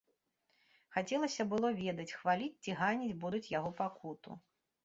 Хацелася было ведаць, хваліць ці ганіць будуць яго пакуту.